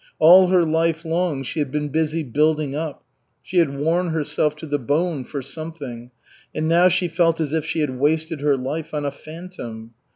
All her life long she had been busy building up, she had worn herself to the bone for something, and now she felt as if she had wasted her life on a phantom.